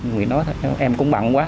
nguyệt nói em cũng bận quá